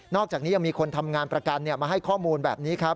อกจากนี้ยังมีคนทำงานประกันมาให้ข้อมูลแบบนี้ครับ